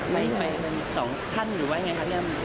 ไปกันสองท่านหรือว่าอย่างไรครับ